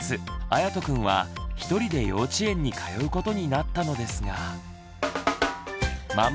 やとくんは一人で幼稚園に通うことになったのですがママ